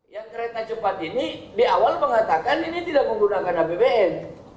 yang kereta cepat ini di awal mengatakan ini tidak menggunakan apbn